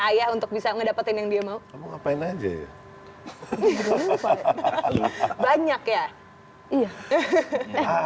ayah untuk bisa ngedapetin yang dia mau ngapain aja ya banyak ya iya